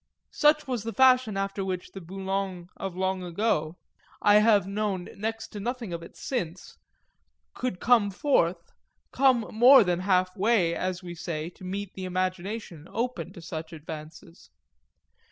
Such was the fashion after which the Boulogne of long ago I have known next to nothing of it since could come forth, come more than half way, as we say, to meet the imagination open to such advances.